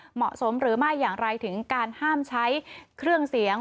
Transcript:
เหมาะสมหรือไม่อย่างไรถึงการห้ามใช้เครื่องเสียง